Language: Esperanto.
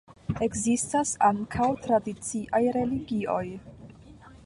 Ekzistas ankaŭ tradiciaj religioj.